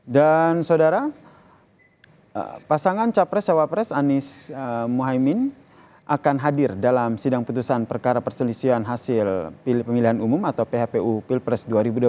dan saudara pasangan capres sewapres anies muhaymin akan hadir dalam sidang putusan perkara perselisihan hasil pemilihan umum atau phpu pilpres dua ribu dua puluh empat